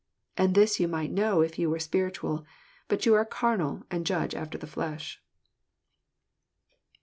And this you might know if you were spiritual; but you are carnal, and judge after the flesh."